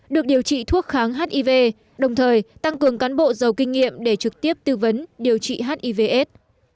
được điều trị thuốc kháng hiv đồng thời tăng cường cán bộ giàu kinh nghiệm để trực tiếp tư vấn điều trị hivs